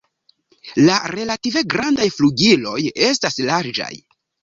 La relative grandaj flugiloj estas larĝaj.